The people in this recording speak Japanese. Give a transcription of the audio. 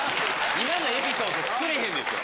今のエピソード作れへんでしょ。